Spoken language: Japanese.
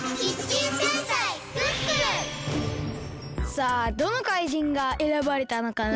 さあどのかいじんがえらばれたのかな？